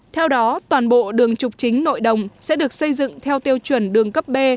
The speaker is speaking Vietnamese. theo đó toàn bộ đường trục chính nội đồng sẽ được xây dựng theo tiêu chuẩn đường cấp b